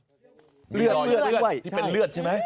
มีรอยเลือดที่เป็นเลือดใช่ไหม